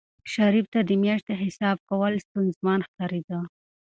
شریف ته د میاشتې حساب کول ستونزمن ښکارېدل.